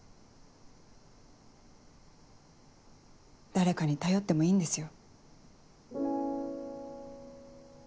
誰かに頼ってもいいんですよ。